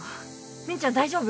ミンちゃん大丈夫？